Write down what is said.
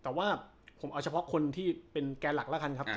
แต่ว่าผมเอาเฉพาะคนที่เป็นแก่หลักละครับอืม